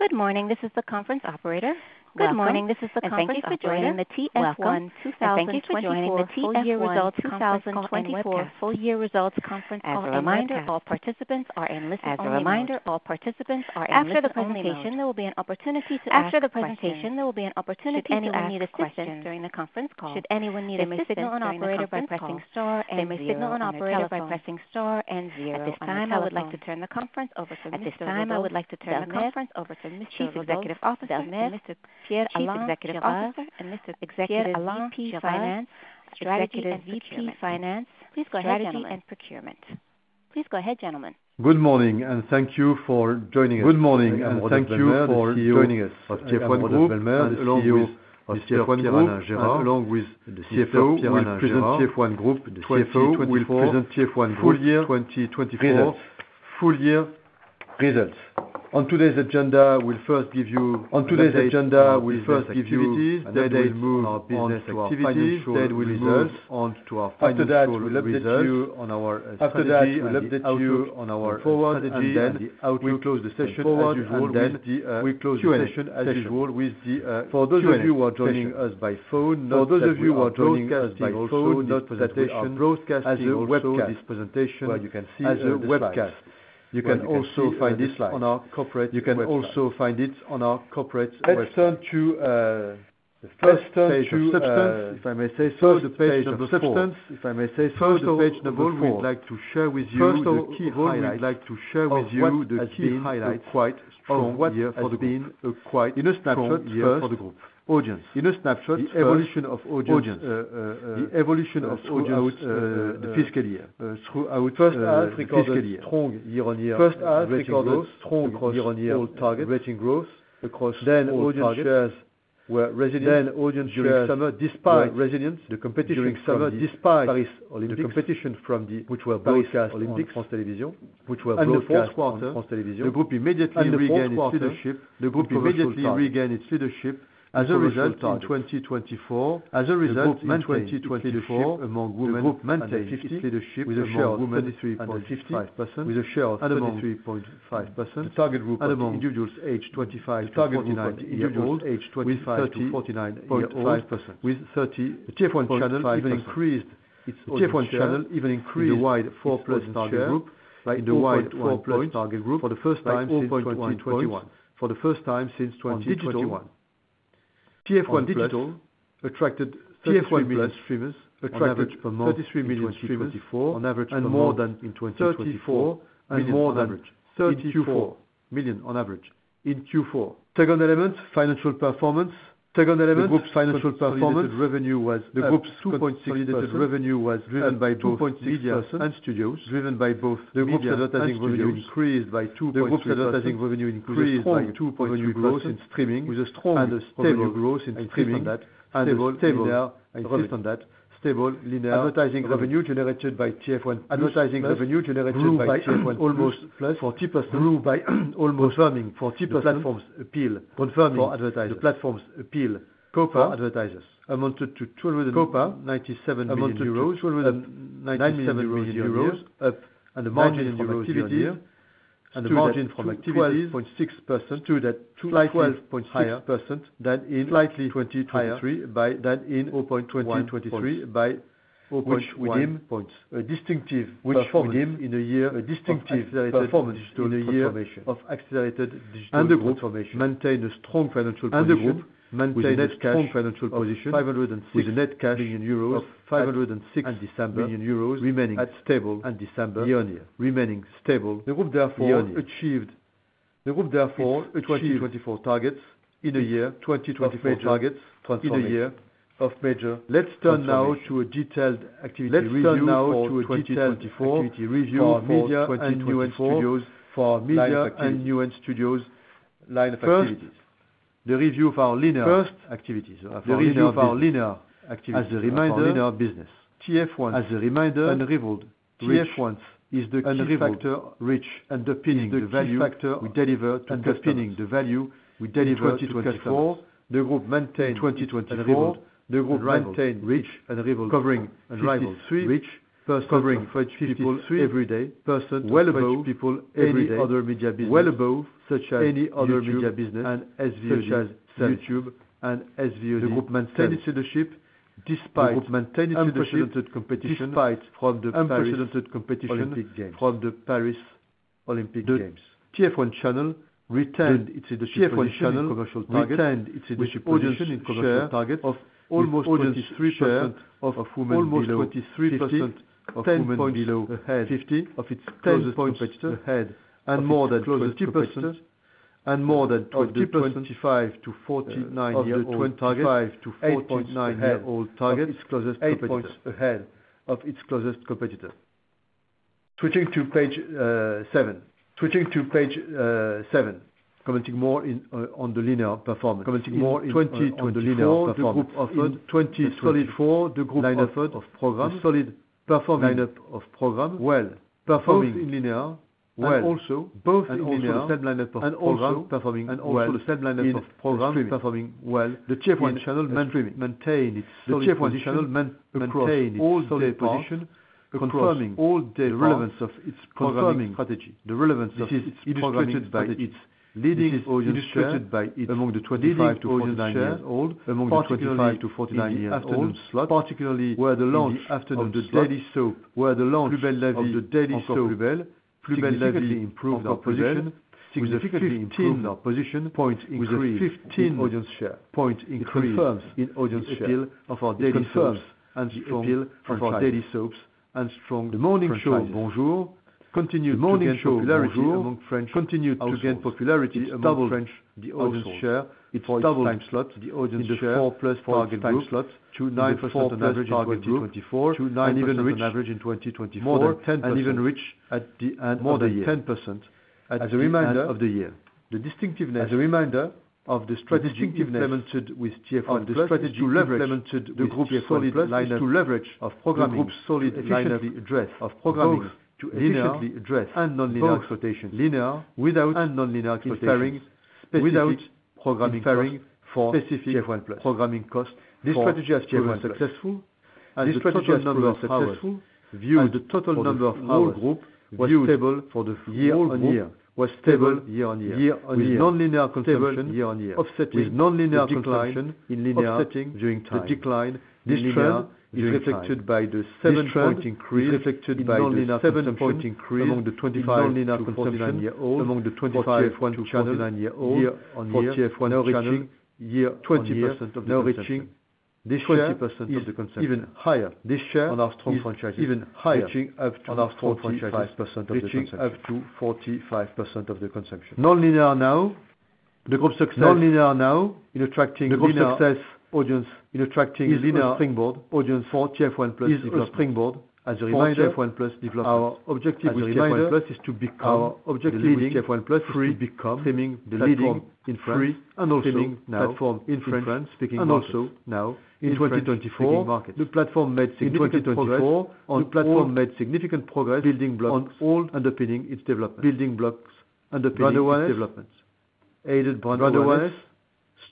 Good morning, this is the conference operator. Good morning, this is the conference. Thank you for joining the TF1 Group 2024 Full Year Results Conference Call. A reminder, all participants are in listen-only mode. After the presentation, there will be an opportunity to ask questions during the conference call. Should anyone need assistance, they may signal an operator by pressing star and zero. At this time, I would like to turn the conference over to Mr. Rodolphe Belmer, Chief Executive Officer, and Mr. Pierre-Alain Gérard, Executive Vice President of Finance. Please go ahead, gentlemen. Good morning, and thank you for joining us. Of TF1 Group, Belmer, CEO of TF1 Group, Gérard, along with the CFO, the President of TF1 Group, will present TF1 Group full year results. On today's agenda, we'll first give you activities that will move business activities that will result in our final. After that, we'll update you on our strategy. And then we'll close the session as usual with the Q&A. For those of you who are joining us by phone, the broadcast will be on this presentation where you can see the webcast. You can also find it on our corporate website. Let's turn to the first page of the substantive, if I may say so. First page number four, I'd like to share with you the key points that have been quite strong. What has been quite strong in a snapshot for the group audience. In a snapshot, the evolution of audience throughout the fiscal year. First, as recorded, strong year-on-year growth. Rating growth across the audience shares were resilient. Then audience growth, despite resilience during summer, despite Paris Olympics, which were broadcast on France Télévisions. The group immediately regained its leadership as a result in 2024. As a result, management leadership among women maintained its leadership with a share of 23.5%. The target group of individuals aged 25 to 49, 5%. With 30%, the TF1 channel even increased its audience in the wide four-plus target group for the first time since 2021. TF1 Digital attracted 33 million streamers on average per month, and more than in 2024, and more than 32 million on average in Q4. Second element, group financial performance. The group's 2.6% revenue was driven by both media and studios. The group's advertising revenue increased by 2.6%. Revenue growth in streaming, with a strong and stable growth in streaming, and stable linear growth. Stable linear advertising revenue generated by TF1 almost 40%. Almost confirming 40% platform's appeal. Confirming for advertisers. The platform's appeal to advertisers amounted to 297 million euros, up, and the margin from activities 12.6%, slightly higher than in 2023 by 0.1 points. A distinctive performance in a year of accelerated digital transformation. The group maintained a strong financial position with a net cash of 506 million euros, remaining stable at end December year-on-year. Remaining stable, the group therefore achieved 2024 targets in a year of major growth. Let's turn now to a detailed activity. Let's turn now to a detailed activity review of Media and Newen Studios for Media and Newen Studios line of activities. The review of our linear TV activities as a reminder of our linear business. TF1, as a reminder, is unrivaled. TF1 is the key factor: reach and affinity, the key factors we deliver to the partners, the value we deliver in 2024. The group maintained in 2024 reach and unrivaled coverage reaching 20 million people every day, reaching well above 20 million people every day in other media businesses, well above any other media business and SVOD such as YouTube and SVOD. The group maintained its leadership despite the Paris Olympic Games. From the Paris Olympic Games, TF1 channel retained its leadership position in commercial target of almost 23% of women below 50 ahead of its closest competitor, and more than 20% ahead of its closest competitor in the 25 to 49 year old target. Switching to page seven, commenting more on the linear performance of the group in 2024. The group offered a solid line of program, performing well in linear, and also performing well in linear program. The TF1 channel maintained its position across all positions, confirming the relevance of its programming strategy, its leading audience strategy among the 25- to 49-year-olds, particularly with the launch of the daily soap Plus belle la vie, which improved our position significantly, with a 15 percentage point increase in audience share of our daily soap. Confirms and strengthens our daily soaps and the morning show Bonjour! continued to gain popularity among the French audience share, its double time slot, the audience share in the 4+ target group to 9% on average in 2024, more than 10% and even reached more than 10% at the end of the year. The distinctiveness, as a reminder of the strategy implemented with TF1, the strategy implemented with the group's solid lineup of programming to initially address linear and non-linear exploitation, preparing for specific programming cost. This strategy has been successful, as the total audience of our group was stable full year year-on-year, with non-linear consumption offsetting the decline in linear viewing time. The decline in linear is reflected by the seven-point increase among the 25-34 non-linear consuming year-olds, year on year for the TF1 channel, yet 20% of the reach, this 20% of the consumption, even higher this share on our strong franchise, reaching up to on our strong franchise, 25% of the reach up to 45% of the consumption. Non-linear now the group's success in attracting the linear springboard audience for TF1+ development, is a reminder TF1+ development. Our objective as a reminder TF1+ is to become streaming platform in France and also expanding now in 2024. The platform made significant progress in 2024 on the building blocks underpinning its development. Aided by non-linear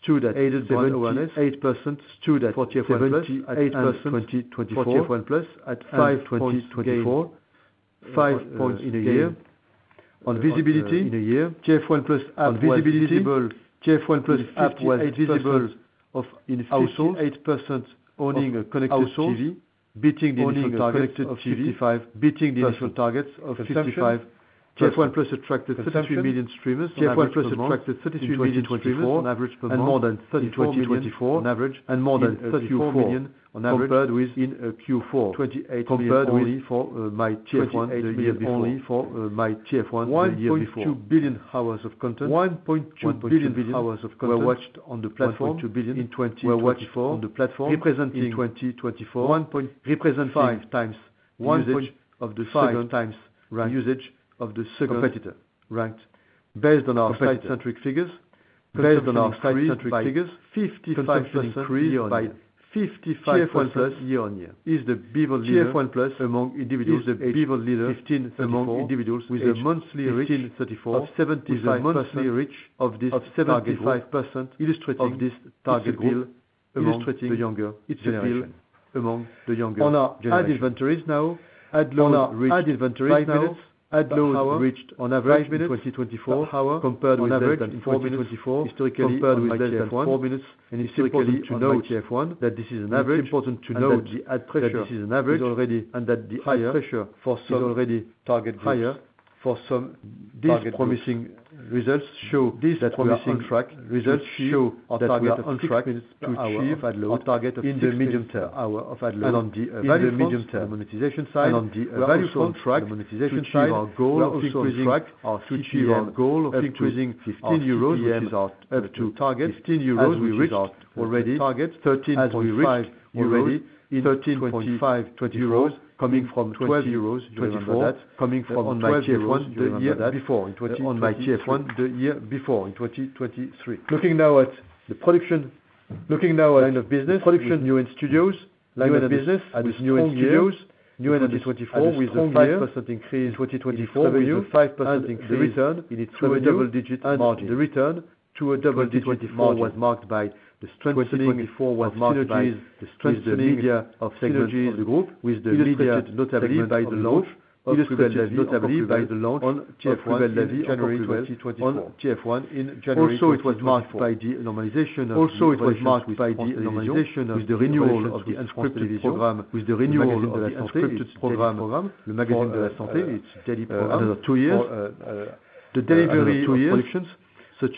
stood at 7.8%. Stood at 40% TF1+ in 2024, TF1+ at 5.24, 5 points in a year on visibility in a year. TF1+ visibility at 58% on connected TV, beating the initial target of 55%. TF1+ attracted 33 million streamers on average per month, and more than 34 million on average in Q4, compared with only 1.2 billion hours of content for MYTF1. 1.2 billion hours of content were watched on the platform in 2024, representing five times the usage of the second-ranked competitor based on our site-centric figures, 55% increase year-on-year. TF1+ is the market leader among individuals, 15%, with a monthly reach of 75%, illustrating this targeted appeal among the younger generation. Ad inventories now. Ad load reached five minutes. Ad load reached on average in 2024 hour compared with average in 2024 historically compared with TF1, and historically. To note TF1 that this is an average. Important to note that this is an average is already and that the higher for some is already target higher for some. These promising results show our target on track to achieve our target in the medium term hour of ad load and on the value of the monetization side and on the value of track the monetization side we are also increasing our goal of increasing 15 euros which is our up to target 15 euros. We reached already target 13.5 already in 2024 coming from 12 euros in 2023 that coming from myTF1 the year before in 2023. Looking now at the production line of business, Newen Studios. 2024 with a 5% increase in its revenue, double-digit margin. The return to a double-digit margin was marked by the strengthening of synergies of the group with the latter, notably by the launch of Plus belle la vie on TF1 in January 2024. It was marked by the normalization with the renewal of the scripted program, the Magazine de la Santé, its daily program, another two years, the delivery of productions such as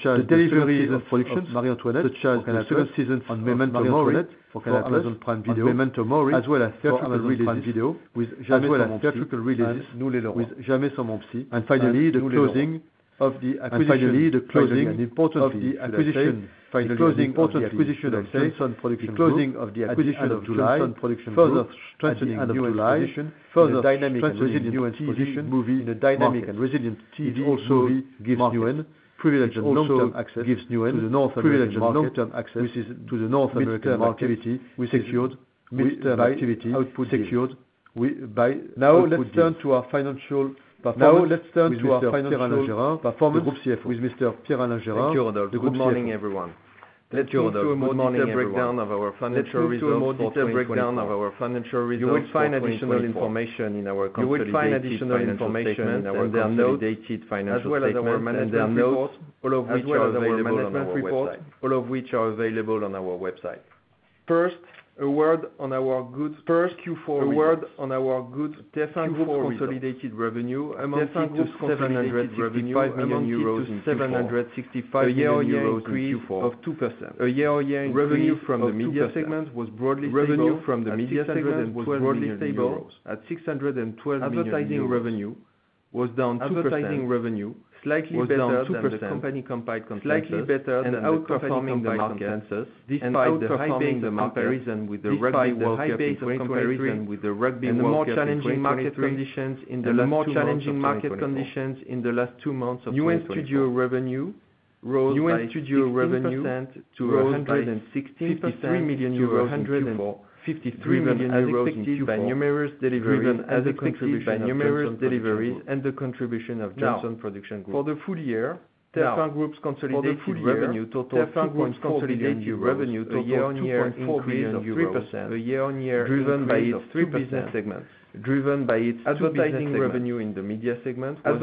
Marie-Antoinette, such as the second season on Memento Mori, for example as on Prime Video, as well as theatrical releases with Jamais sans mon psy, and finally the closing of the acquisition of Johnson Production Group, the closing of the acquisition of July, further strengthening of new acquisition movie in a dynamic and resilient TF1 movie gives new and privileged long-term access, which is to the north mid-term activity we secured, mid-term activity output secured by. Now let's turn to our financial performance with Mr. Pierre-Alain Gérard of the group. Good morning everyone. Let's do a morning breakdown of our financial results. You will find additional information in our consolidated financial statements, as well as our management reports, all of which are available on our website. First, a word on our good Q4 TF1 consolidated revenue, TF1 Group's consolidated revenue, 765 million euros, an increase of 2%. Revenue from the media segment was broadly stable at 612 million euros. Advertising revenue was down 2%, slightly better than the company compiled comparisons, outperforming by consensus despite outperforming the market comparison with the rugby world champions. The more challenging market conditions in the last two months, Newen Studios revenue rose to 116.53 million euros in 2024, 53 million euros increased by numerous deliveries, driven as a contribution by numerous deliveries and the contribution of Johnson Production Group. For the full year, TF1 Group's consolidated revenue total increased by 3% year-on-year, driven by its two business segments. Advertising revenue in the media segment was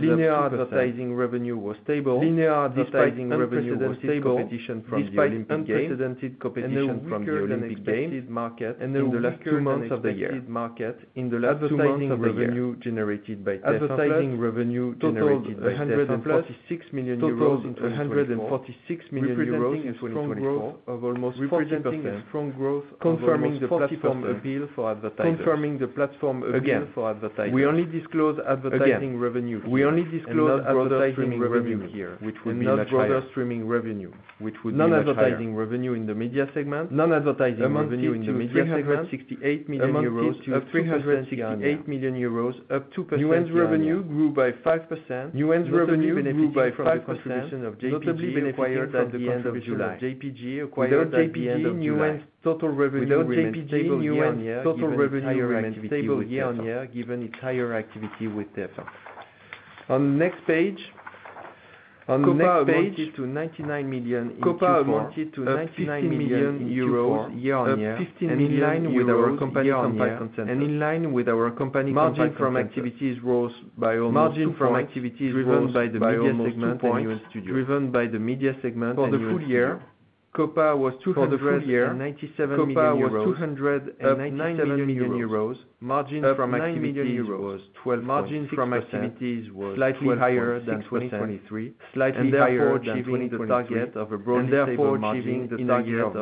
up. Linear advertising revenue was stable despite unprecedented competition from the Olympic Games in the last two months of the year. In the last two months of the year, advertising revenue generated by TF1 was up EUR 146 million to EUR 146 million in 2024, with almost 40% confirming the platform appeal for advertising. We only disclose advertising revenue here, which would be non-streaming revenue, which would be non-advertising revenue in the media segment. Non-advertising revenue in the media segment EUR 168 million up to 368 million euros, up 2%. Newen revenue grew by 5%, notably benefited at the end of July. Newen acquired JPG and total revenue without Newen and total revenue remained stable year-on-year given its higher activity with TF1. On the next page, COPA amounted to EUR 99 million in 2024 year-on-year, and in line with our company-compiled consensus, margin from activities rose by almost 2%, rose in the media segment, driven by the media segment. For the full year, COPA was 297 million euros, margin from activities was 12%, slightly higher than 2023, and therefore achieving the target of above 12% and therefore achieving the target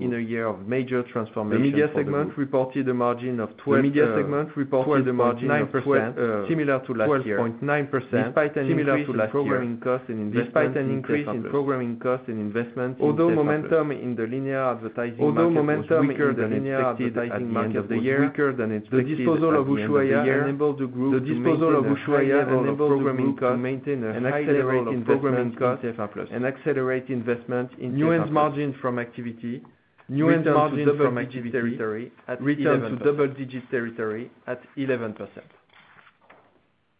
in a year of major transformation. The media segment reported a margin of 12%. The media segment reported a margin of 4.9%, similar to last year. 4.9%, similar to last year, despite an increase in programming costs and investments. Although momentum in the linear advertising market was weaker than expected at the end of the year, the disposal of Ushuaïa enabled the group to maintain an accelerated investment in Newen and margin from activities. Newen and margin from activities returned to double-digit territory at 11%.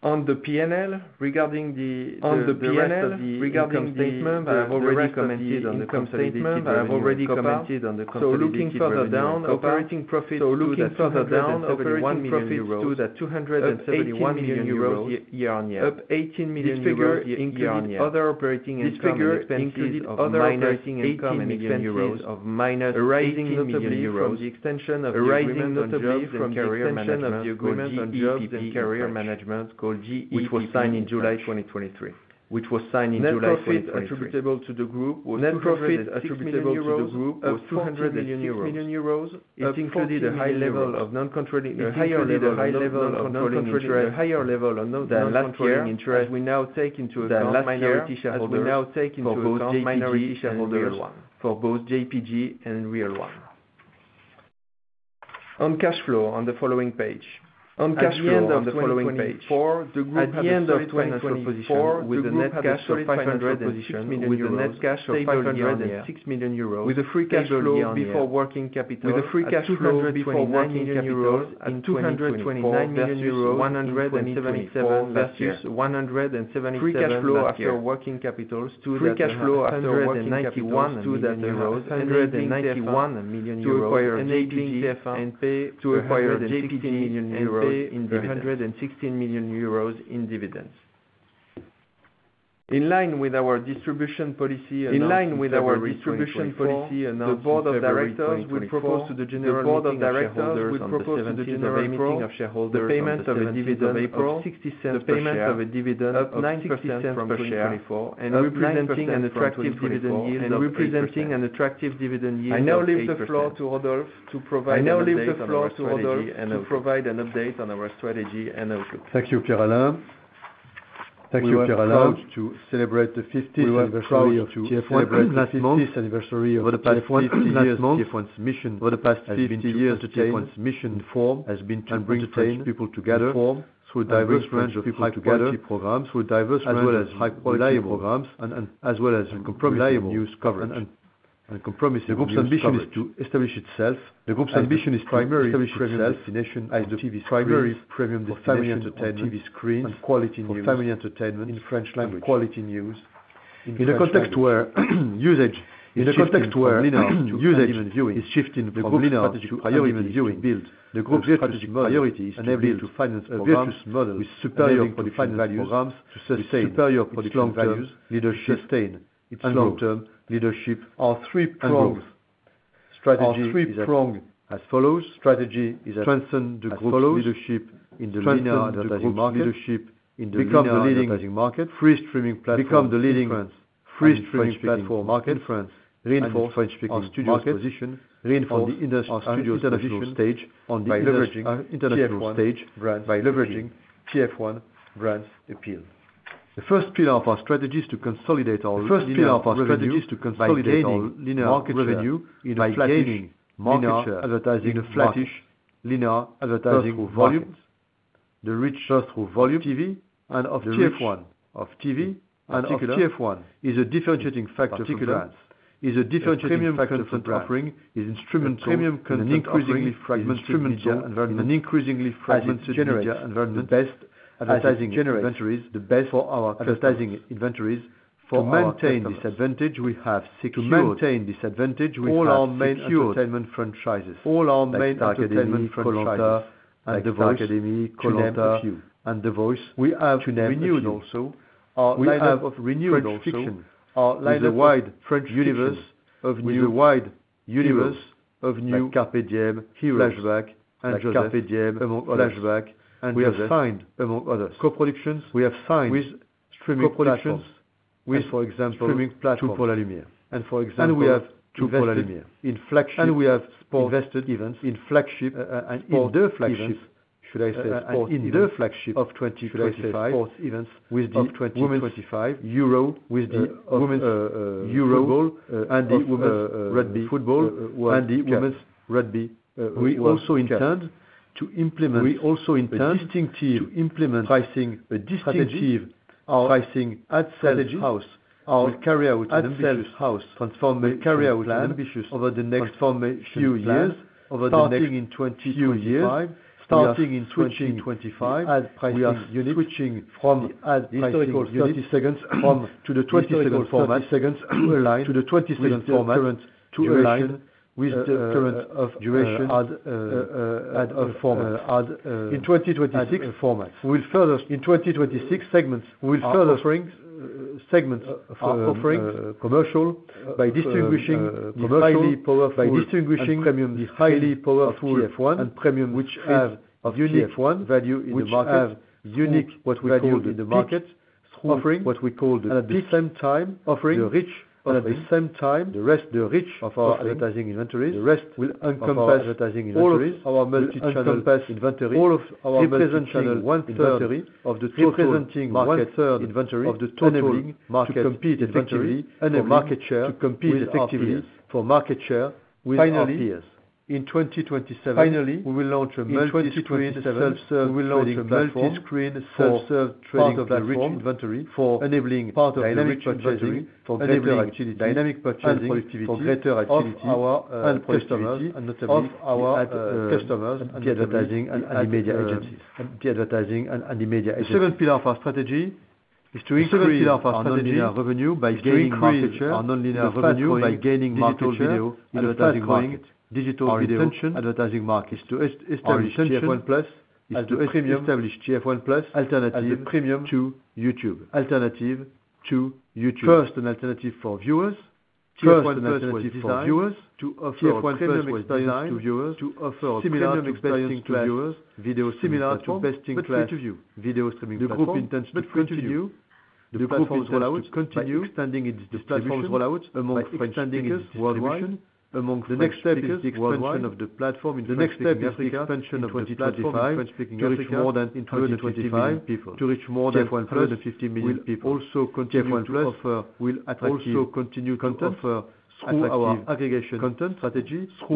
On the P&L statement, I have already commented on the company, so looking further down, operating profit is up 1.2 to 271 million euros year-on-year, up 18 million euros year-on-year. This figure included other operating expenses of minus 18 million euros, the extension of the career management called GEPP, which was signed in July 2023. Net profit attributable to the group was 200 million euros. It included a higher level of non-controlling interest than last year, as we now take into account the minority shareholders for both JPG and Reel One. On cash flow, on the following page, at the end of 2024, with a net cash of 506 million, with a free cash flow before working capitals at 229 million euros versus 177 million last year, free cash flow after working capitals 191 million euros and JPG and payment to acquire JPG million in payment in EUR 116 million in dividends. In line with our distribution policy, the board of directors will propose to the general meeting of shareholders the payment of a dividend of 0.90 per share and representing an attractive dividend yield. I now leave the floor to Rodolphe to provide an update on our strategy and outlook. Thank you, Pierre-Alain. To celebrate the 50th anniversary of TF1, the TF1's 50th mission, for the past 15 years, the TF1's mission has been to entertain people together through diverse range of high quality programs, as well as a comprehensive news coverage. The group's ambition is primarily to establish itself as the TV's primary premium distribution TV screens and quality news for family entertainment in French language. In a context where linear usage is shifting from linear to priority viewing, the group's strategic priority is enabled to finance a virtuous model with superior production values to sustain superior production leadership, sustain its long-term leadership. Our three prongs as follows: Strategy is to strengthen the group's leadership in the linear TV market, become the leading free streaming platform in France, reinforce French-speaking studio acquisition on the international stage by leveraging TF1 brand appeal. The first pillar of our strategy is to consolidate our linear market revenue in a flatish linear advertising volumes, the ad revenue volume TV ad of TF1. Our TV and TF1 is a differentiating factor for us, offering is instrumental in an increasingly fragmented media environment, the best for our advertising inventories. To maintain this advantage, we have secured all our main entertainment franchises and The Voice. We have to renew also our line of renewed fiction with the wide universe of new heroes: Carpe Diem, Flashback, and Carpe Diem among others. We have signed among others co-productions with streaming platforms, for example. And we have invested in the flagship, should I say, of 2025 with the Euro, with the women's football and the women's rugby world. We also intend to implement a distinctive pricing strategy at house, our channels with ambitious goals, transforming channels with ambitious over the next few years, starting in 2025. We are switching from the historical 30-second format to the 20-second format to a shorter duration ad format. In 2026, we will further segment commercial offerings by distinguishing premium, the highly powerful TF1 and premium, which have unique value in the market through offering what we call the peak. At the same time, offering the reach of our advertising inventories, the rest will encompass all of our multi-channel inventory, representing one-third of the total market, to compete effectively for market share with our peers. Finally, in 2027, we will launch a multi-screen self-serve platform of the reach inventory for enabling programmatic purchasing, for enabling dynamic purchasing, for greater activity among our customers and the advertising and media agencies. The seventh pillar of our strategy is to increase our revenue by gaining market share, our non-linear revenue by gaining market share, advertising market, digital video advertising market, to establish TF1+, alternative to YouTube, first an alternative for viewers, to offer a premium experience to viewers, video streaming platform best in class, video streaming platform. The group intends to continue extending its platform's rollout among French-speaking nations. The next step is the expansion of the platform in Africa to reach more than 15 million people. We will also continue to offer through our aggregation content strategy the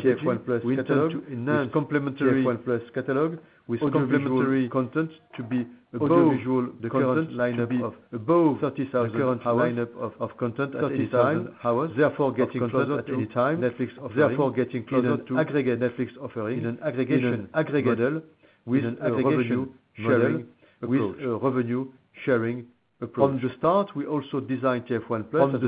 TF1+ catalog to enhance the complementary TF1+ catalog with complementary content to be an audiovisual content lineup of above 30,000 current lineup of content at this time, therefore getting closer to the Netflix offering in an aggregation model with revenue sharing approach. From the start, we also designed TF1+ as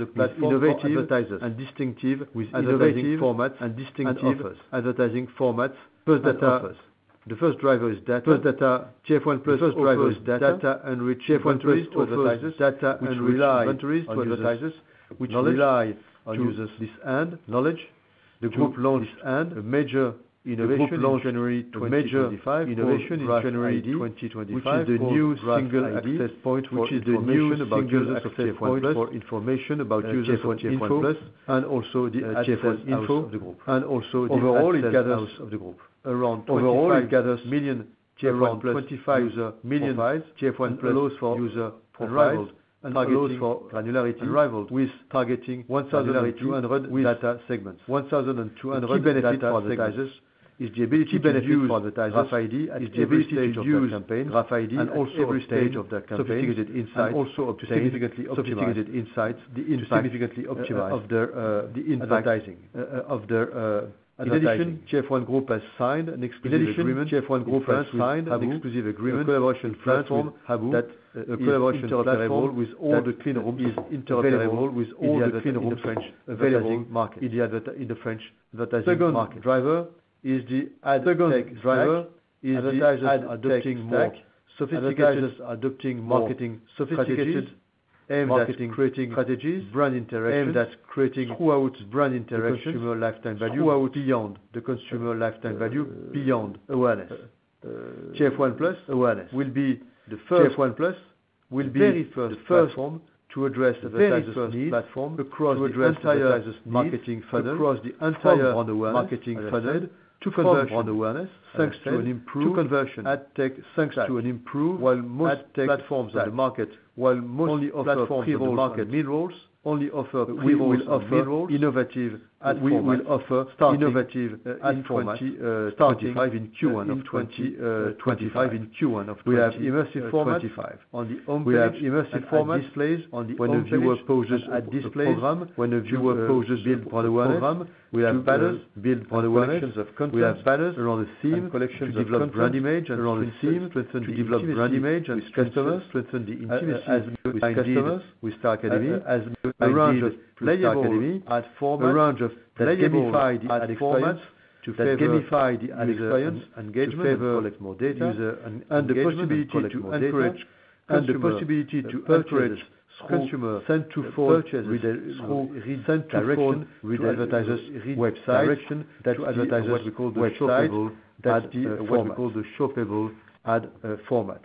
a platform for advertisers, distinctive with innovative formats and distinctive advertising formats powered by data. The first driver is data, the data-enriched TF1+ driver which relies on in-depth knowledge. The group launched a major innovation in January 2025, which is the new single access point for information about users of TF1+ and also the TF1 Info of the group. The overall data it gathers of the group, around million TF1+ users million TF1+ flows for user profile and flows for granularity with targeting 1,200 data segments. Advertisers is the ability to use Retail IDs is the ability to use campaigns and also every stage of the campaign, and also significantly optimize the insight of the advertising. In addition, TF1 Group has signed an exclusive agreement with a collaboration platform that is interoperable with all the clean rooms available in the French advertising market. Second driver is the advertisers adopting more sophisticated marketing strategies and that's creating brand interaction throughout consumer lifetime value beyond awareness. TF1+ will be the first platform to address advertisers' needs across the entire marketing funnel to convert to an improved ad tech thanks to an improved ad tech. While most platforms on the market will offer innovative ad formats in Q1 of 2025. In Q1 of 2025, we have immersive formats on the home page, immersive formats displays on the home page, when a viewer pauses at display program, when a viewer pauses build product program, we have banners build product collections of content, we have banners around the theme to develop brand image with customers, strengthen the intimacy with customers with Star Academy and around the Star Academy ad format to gamify the ad experience, engagement, collect more data user and the possibility to facilitate consumer send to phone purchase with a send to phone with advertisers redirect to website direction, that what we call the shoppable ad format.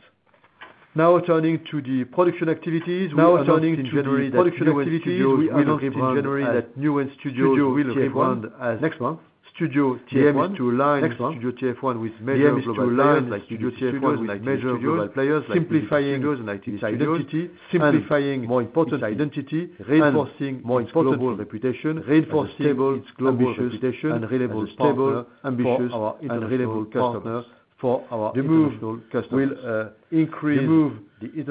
Now turning to the production activities, we will also rename Newen Studios to Studio TF1 next month to line up Studio TF1 with major global players, simplifying our identity, reinforcing our reputation, reinforcing its global reputation and reliable, stable, ambitious and reliable for our customers. The move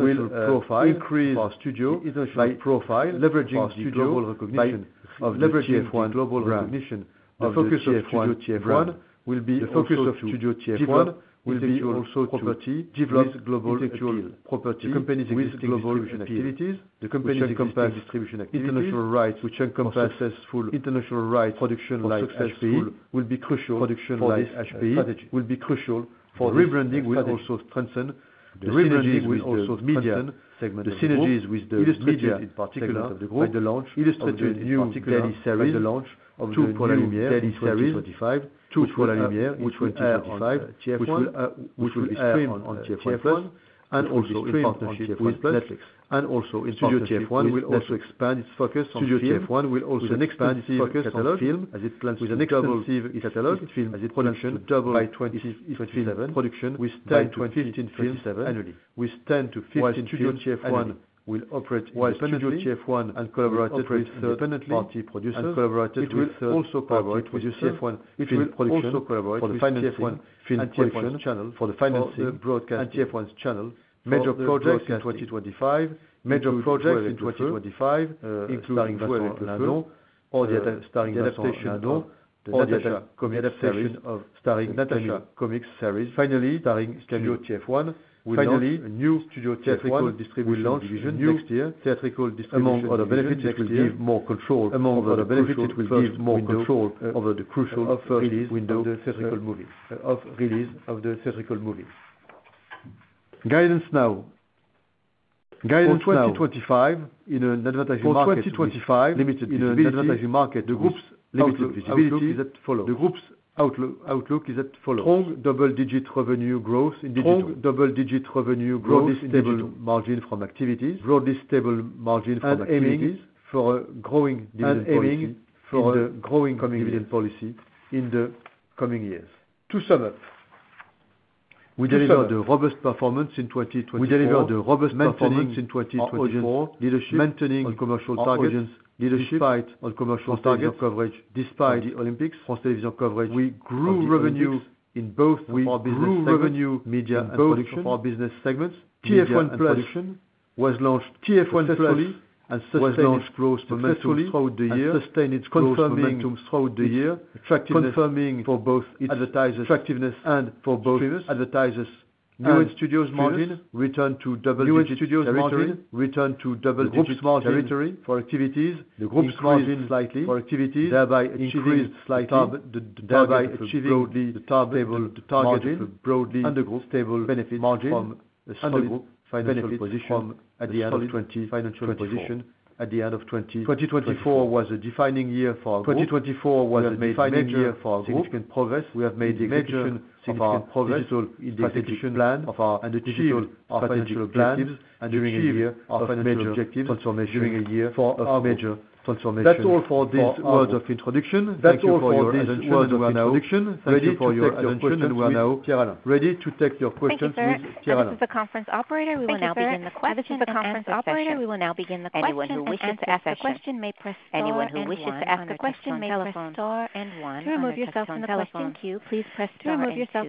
will increase our studio profile, leveraging our studio global recognition of TF1 global recognition. The focus of Studio TF1 will be also property development, global co-production, the company's existing global distribution activities encompass international rights which encompass successful international production like successful production. Strategy will be crucial for rebranding will also strengthen the synergies with the media in particular illustrated by the launch of the new daily series 2025, which will be streamed on TF1 and also on Netflix and also in. Studio TF1 will also expand its focus on film with a double TF1 production by 2027 with 10 to 15 films annually. Studio TF1 will operate and collaborate with third party producers and also collaborate with TF1 film production for the financing broadcast TF1 channel major projects in 2025 including starring Natacha comic adaptation of comic series. Finally, Studio TF1 will have a new Studio TF1 distribution. It will launch next year. Theatrical distribution, among other benefits, it will give more control over the crucial release window of the theatrical movie. Guidance now for 2025 in an advertising market with limited visibility. The group's outlook is as follows: strong double digit revenue growth in digital, margin from activities broadly stable, for a growing dividend policy in the coming years. To sum up, we delivered a robust performance in 2024, maintaining our commercial targets, despite our commercial target coverage, despite the Olympics, France Télévisions coverage. We grew revenue in both with our business segment revenue media and production for our business segments. TF1+ was launched successfully and was launched close to monthly throughout the year, confirming for both its advertisers' attractiveness and for both streamers' advertisers. Newen Studios margin return to double-digit margin territory from activities. The group's margin slightly from activities, thereby achieving broadly the target, and the group's stable EBITA margin from a stable financial position at the end of 2020. Financial position at the end of 2024 was a defining year for our group. Significant progress we have made digital in the execution plan of our and achieve our financial objectives transformation during a year for our major transformation. That's all for these words of introduction. Thank you for your attention and we are now ready to take your questions with Pierre-Alain. This is a conference operator. We will now begin the question. Anyone who wishes to ask a question may press the button. Star and one. To remove yourself from the question queue, please press the button. Star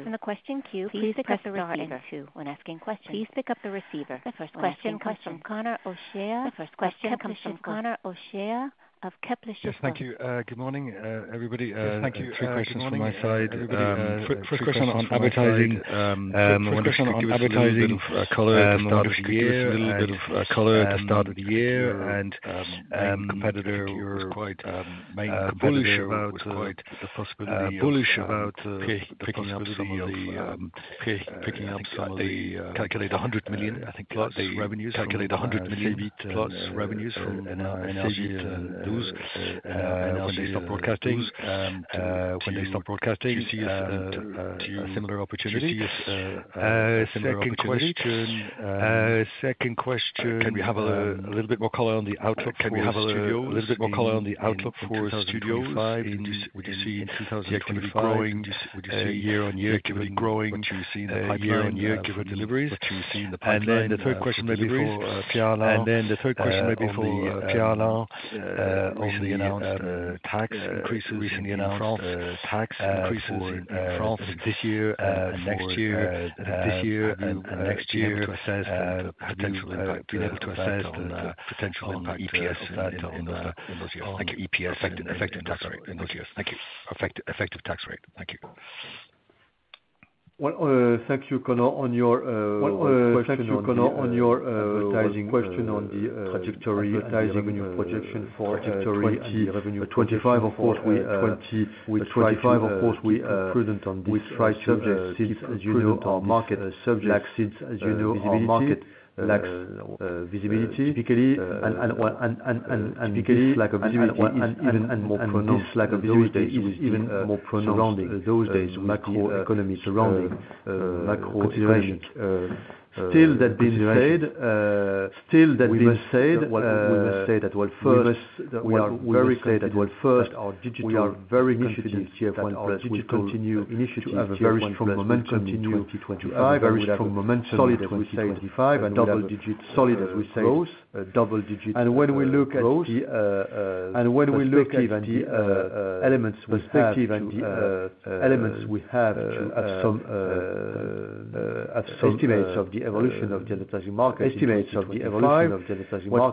and two. When asking questions, please pick up the receiver. The first question comes from Conor O'Shea of Kepler Cheuvreux. Yes, thank you. Good morning, everybody. Thank you. Three questions from my side. First question on advertising. Color at the start of the year. A little bit of color at the start of the year and main competitor was quite the possibility about picking up some of the like EUR 100 million I think plus revenues from when they start broadcasting. You see a similar opportunity. A second question: can we have a little bit more color on the outlook for Studios FY 2025? Would you see year on year activity growing given deliveries in the pipeline? The third question may be for Pierre-Alain on the announced tax increases in France this year and next year to assess the potential impact, EPS effect on the effective tax rate in those years. Thank you. Thank you, Conor, on your question on the advertising trajectory projection for 2025. Of course we are prudent on this subject since as you know our market lacks visibility and this lack of visibility is even more pronounced surrounding macro considerations. Still, that being said, we must say that first we are very clear that our digital initiative TF1+ continues to have a very strong momentum in 2025, solid double digit as we say both. And when we look at the elements we have, we have some estimates of the evolution of the advertising market.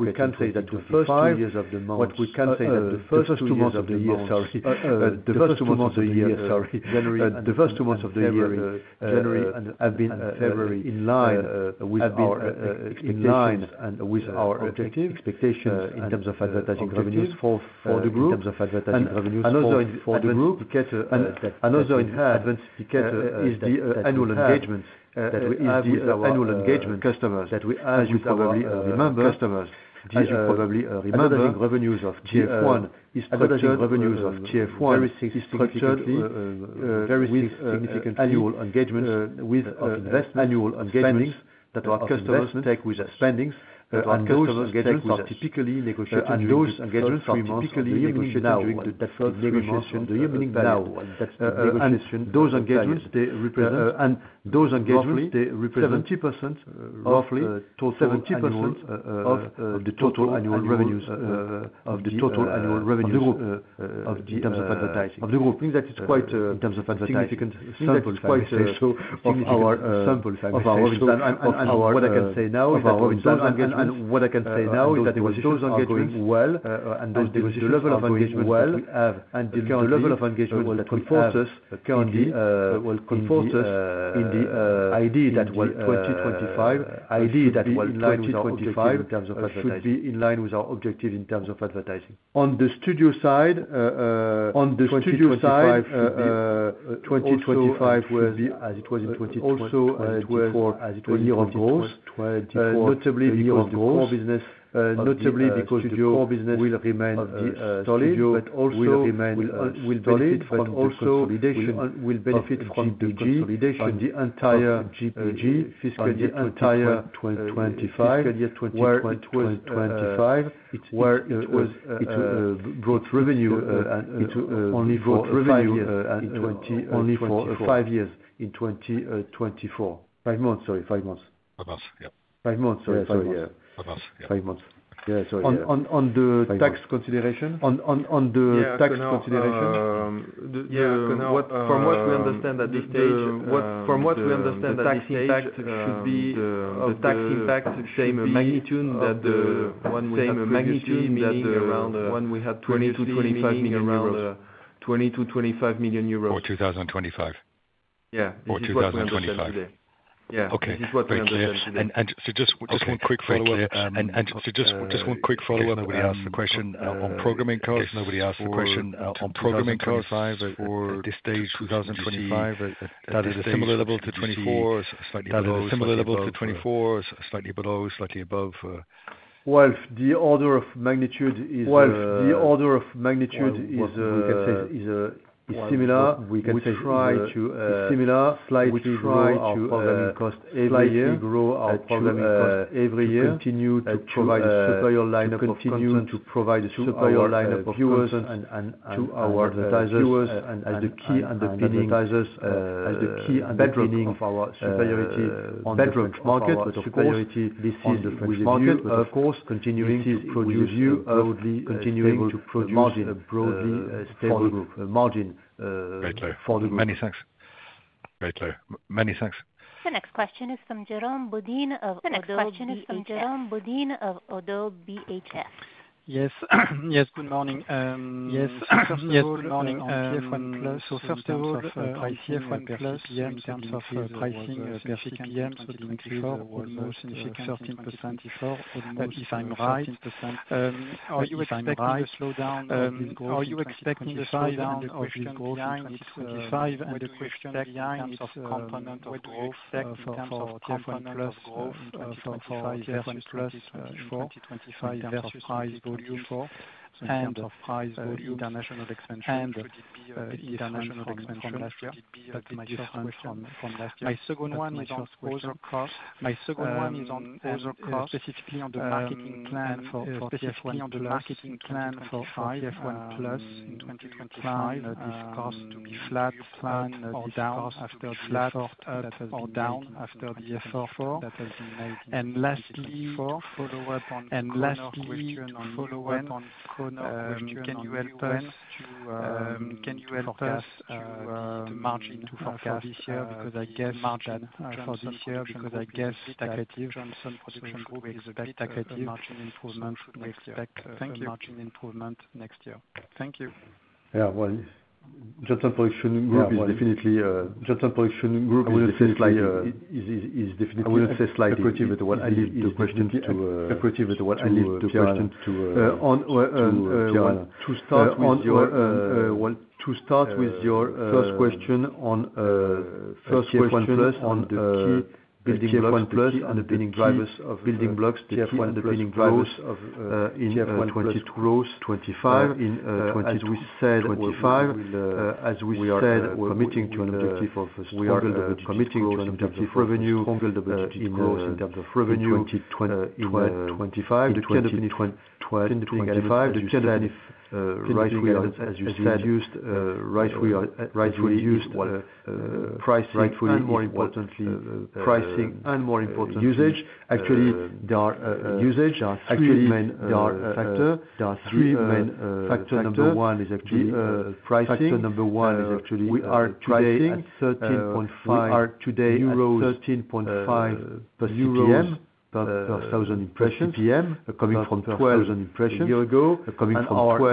We can say that the first two months of the year, January and February, are in line with our expectations and objectives in terms of advertising revenues for the group. Another indicator is the annual engagements that, as you probably remember, advertising revenues of TF1 are structured with significant annual engagements that our customers take with our spend, typically negotiated now during the negotiation, and those engagements they represent roughly 70% of the total annual revenues of the group in terms of advertising, which means that it is quite a significant sample of our results. And what I can say now is that with those engagements and the level of engagement that we have, it confirms for us the idea that we in 2025 in terms of advertising should be in line with our objective. On the studio side, 2025 will be as it was in 2024, notably because core business will remain the studio but also will benefit from the consolidation of the entire JPG fiscal year 2024-2025. It is where it was; it brought revenue and it only brought revenue in 2024 for five months. On the tax consideration, from what we understand at this stage, the tax impact should be the same magnitude, meaning around 20-25 million. for 2025? Okay. And so just one quick follow-up: nobody asked the question on programming costs for 2025. At this stage, that is a similar level to 2024, slightly below, slightly above? With the order of magnitude, we can say it is similar. We try to slightly grow our programming cost every year, continuing to provide a superior line-up to viewers and to our advertisers as the key underpinning of our superiority on the broadcast market, but this is the French market of course, continuing to produce a broadly stable margin for the group. Thank you. Many thanks. The next question is from Jérôme Bodin of Oddo BHF. Yes, good morning. in terms of price volume and international expansion last year but it's different from last year. My second one is on cost closure specifically on the marketing plan for TF1+ in 2025. This cost to be flat or down after TF1+ and lastly on follow-up on can you help us to the margin to forecast this year because I guess that for this year because I guess that the team Johnson Production Group expect that the team margin improvement we expect margin improvement next year. Thank you. Yeah, well, Johnson Production Group is definitely. I wouldn't say slightly. It is definitely equity but what I leave the question to equity but what I leave the question to. On to start on your well to start with your first question on the key building TF1+ and the building drivers of building blocks TF1 and the building drivers of in 2025 growth in 2025. As we said committing to an objective of strong revenue growth in 2025. The right way as you said used rightfully pricing and more importantly usage actually there are three main factors. Number one is actually pricing. We are today at 13.5 euros per CPM coming from 12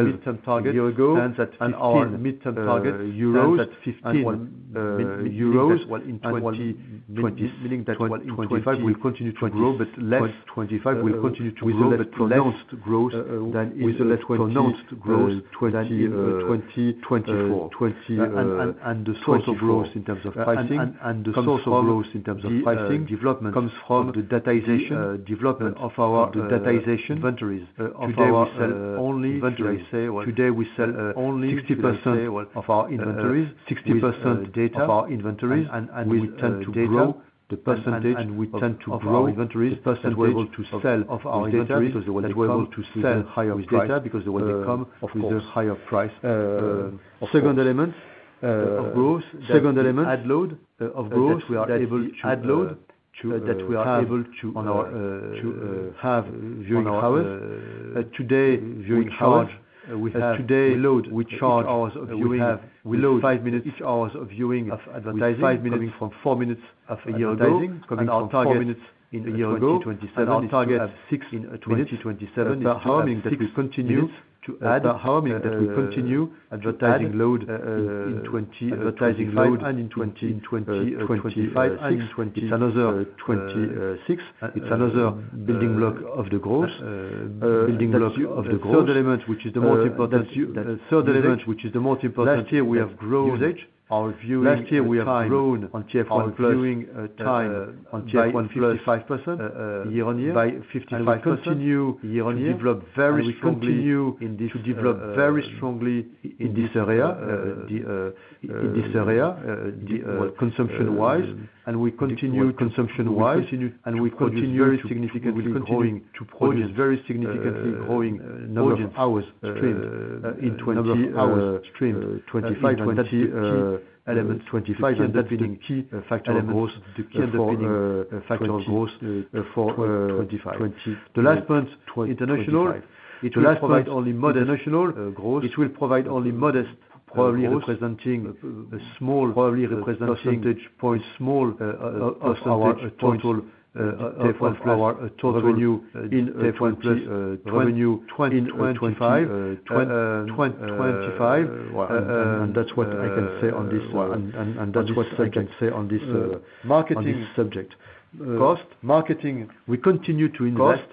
midterm target and that EUR 15 in 2025 will continue to grow but less pronounced growth than 2024 and the source of growth in terms of pricing development comes from the datization of our inventories today we sell only 60% data of our inventories and we tend to grow the percentage to sell of our inventories that we are able to sell higher with data because they will become of course. Second element of growth add load we are able to on our viewing hours today we have today load we charge hours of viewing we load five minutes each hours of viewing of advertising coming from four minutes a year ago. 2027 our target of six in 2027 is that we continue to add advertising load in 2025 and in 2026 it's another building block of the growth. Third element which is the most important last year we have grown our viewing on TF1+ by 55% year-on-year. We continue to develop very strongly in this area the consumption wise and we continue very significantly continuing to produce growing number of hours streamed in 2025 elements meaning key factor growth the key underpinning factor of growth for 2025. The last point international it will provide only modest international growth probably representing a small percentage point total our total revenue in TF1+ revenue in 2025 and that's what I can say on this. Marketing subject cost marketing we continue to invest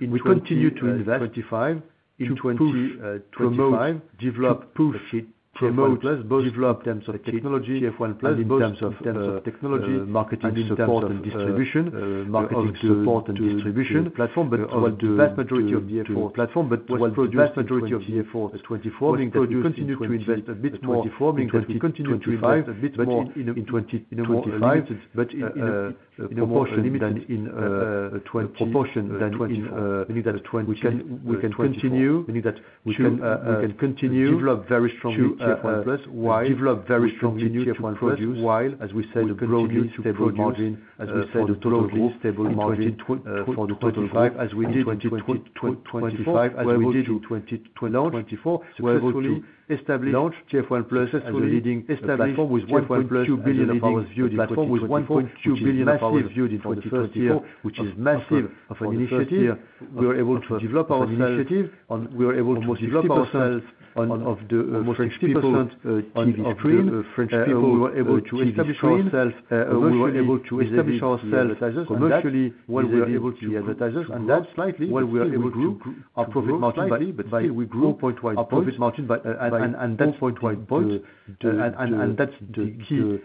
in 2025 develop proof it promote developed in terms of technology TF1+ in terms of technology marketing support and distribution platform but what the vast majority of the 2024 we continue to invest a bit more in 2025 but in a proportion than in meaning that we can continue develop very strongly TF1+ while as we said the growth is stable in 2025 as we did in 2024 we were able to establish TF1+ as a leading platform with 1.2 billion views which is massive of an initiative we were able to develop our initiative on of the most significant TV screen French people we were able to establish ourselves commercially when we are able to advertise and then slightly when we are able to our profit margin by we grow pointwise our profit margin by point and that's the key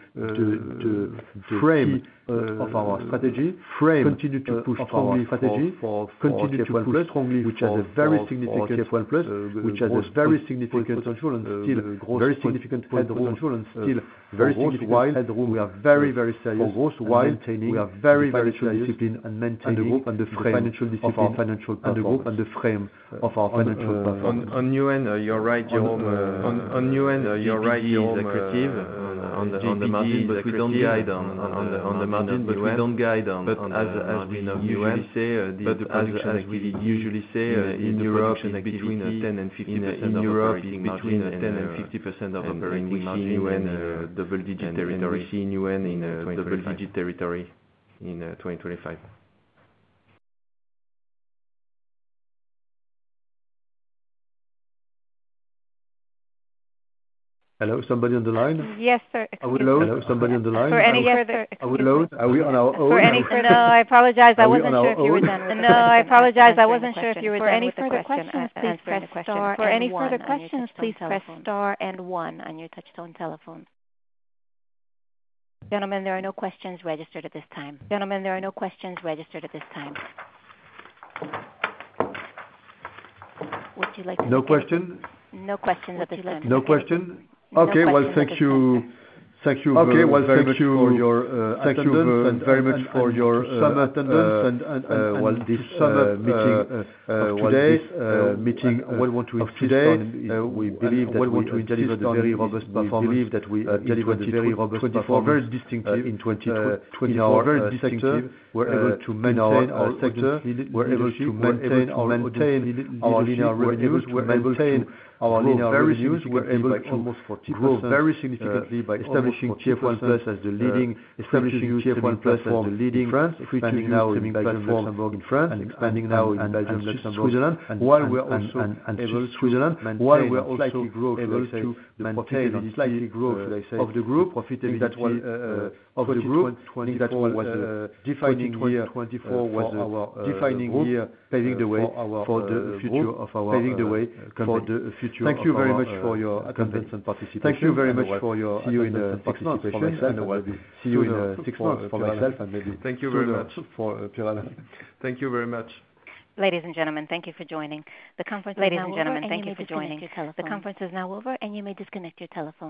frame of our strategy continue to push our strategy continue to push strongly which has a very significant TF1+ which has a very significant potential and still very significant headroom and still very significant headroom we are very very serious for growth while maintaining we are very very serious discipline and maintaining the group and the frame financial discipline financial and the group and the frame of our financial platform. On you and you're right Jerome on you and you're right he is equity on the margin but we don't guide on but as we usually say in Europe between 10% and 15% of operating we see in one double digit territory in 2025. Hello somebody on the line? Yes sir excuse me hello somebody on the line for any further are we on our own for any further no I apologize I wasn't sure if you were done no I apologize I wasn't sure if you were done for any further questions please press star for any further questions please press star and one on your touch-tone telephone gentlemen there are no questions registered at this time gentlemen there are no questions registered at this time would you like to no questions no questions at this time no question okay well thank you thank you very much thank you for your attendance and very much for your summer attendance and well this summer meeting today meeting what we want to achieve today we believe that we want to achieve a very robust performance we believe that we achieve a very robust performance very distinctive in 2024 very distinctive we're able to maintain our sector we're able to maintain our maintain our linear revenues we maintain our linear revenues we're able to almost grow very significantly by establishing TF1+ as the leading establishing TF1+ as the leading France expanding now in Belgium in France and expanding now in Belgium Switzerland while we're also in Switzerland while we're also able to maintain a slightly growth of the group profitability of the group meaning that was defining year 2024 was our defining year paving the way for the future of our paving the way for the future thank you very much for your attendance and participation thank you very much for your see you in six months and see you in six months for myself and maybe thank you very much for thank you very much ladies and gentlemen thank you for joining the conference ladies and gentlemen thank you for joining the conference is now over and you may disconnect your telephone.